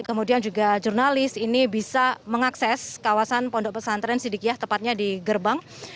kemudian juga jurnalis ini bisa mengakses kawasan pondok pesantren sidikiah tepatnya di gerbang